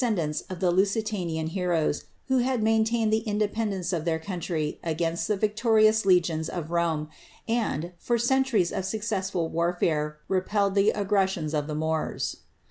ecendants of the Lusitanian heroes, who had maintained the indepen dence of their country against the victorious legiona of Rome, and, for centuries of successful warfare, repelled the aggressions of the Moors.